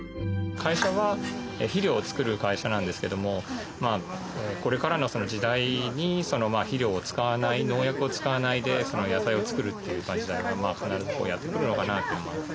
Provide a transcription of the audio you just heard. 会社は肥料を作る会社なんですけどもこれからの時代に肥料を使わない農薬を使わないで野菜を作るっていう時代は必ずやってくるのかなと。